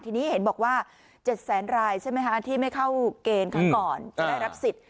ทีนี้เห็นบอกว่า๗แสนรายใช่ไหมคะที่ไม่เข้าเกณฑ์ครั้งก่อนจะได้รับสิทธิ์